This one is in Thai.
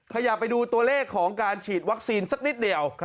ขยับไปดูตัวเลขของการฉีดวัคซีนสักนิดเดียว